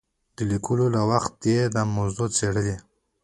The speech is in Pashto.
د لیکلو له وخته یې دا موضوع څېړلې.